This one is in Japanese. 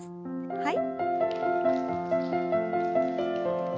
はい。